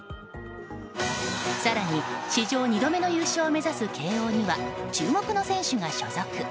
更に史上２度目の優勝を目指す慶応には注目の選手が所属。